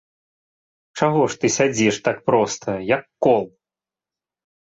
Чаго ж ты сядзіш так проста, як кол?